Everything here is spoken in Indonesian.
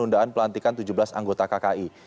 tundaan pelantikan tujuh belas anggota kki